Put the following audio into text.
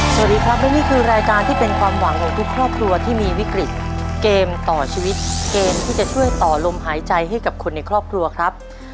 สวัสดีครับและนี่คือรายการที่เป็นความหวังของทุกครอบครัวที่มีวิกฤตเกมต่อชีวิตเกมที่จะช่วยต่อลมหายใจให้กับคนในครอบครัวครับ